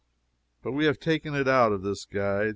But we have taken it out of this guide.